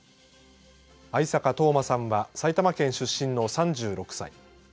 逢坂冬馬さんは埼玉県出身の３６歳。